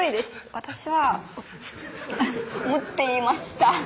私は思っていました